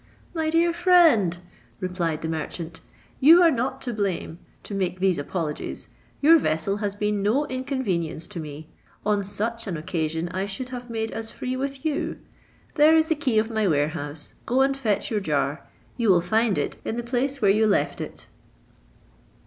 "My dear friend," replied the merchant, "you are to blame to make these apologies, your vessel has been no inconvenience to me; on such an occasion I should have made as free with you: there is the key of my warehouse, go and fetch your jar ; you will find it in the place where you deft it."